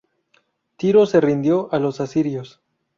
Tiro se rindió a los asirios.